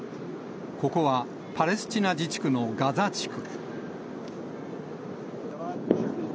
ここはパレスチナ自治区のガザ地区。